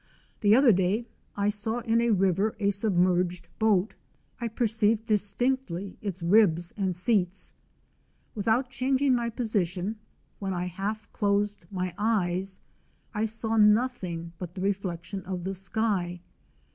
The other day I saw in a river a submerged boat. I perceived distinctly its ribs and seats. Without changing my position, when I half closed my eyes, I saw nothing but the reflection of the sky.